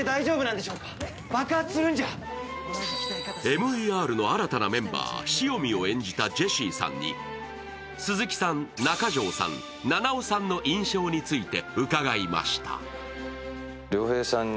ＭＥＲの新たなメンバー潮見を演じたジェシーさんに鈴木さん、中条さん、菜々緒さんの印象について伺いました。